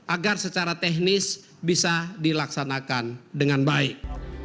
agar secara teknis bisa dilaksanakan dengan baik